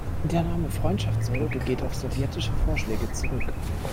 Der Name Freundschaftsbrücke geht auf sowjetische Vorschläge zurück.